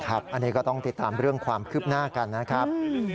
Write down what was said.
อันนี้ก็ต้องติดตามเรื่องความคืบหน้ากันนะครับ